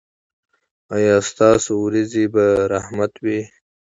ایا ستاسو ورېځې به رحمت وي؟